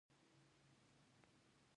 ورته مې وویل: رښتیا هم، پوځیان اړ دي.